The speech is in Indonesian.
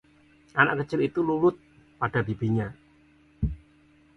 anak kecil itu lulut pada bibinya